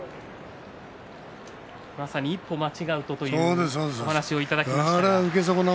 まさに一歩間違えるとというお話をいただきましたけども。